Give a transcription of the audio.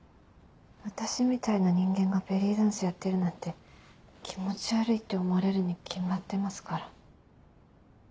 私みたいな人間がベリーダンスやってるなんて気持ち悪いって思われるに決まってますから。